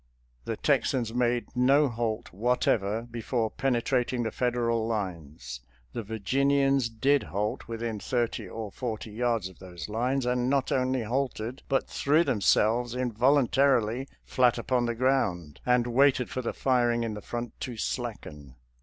The Texans made no halt whatever before penetrating the Federal lines — the Virginians did halt within thirty or forty yards of those lines, and not only halted, but " threw themselves involuntarily flat upon the ground," and waited for the firing in the front to slacken.